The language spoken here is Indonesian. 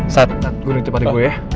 saat gue nungguin tempatnya gue ya